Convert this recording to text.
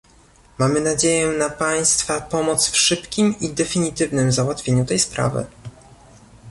Mamy nadzieję na państwa pomoc w szybkim i definitywnym załatwieniu tej sprawy